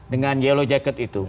dengan yellow jacket itu